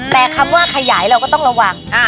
แต่คำว่าขยายเราก็ต้องระวัง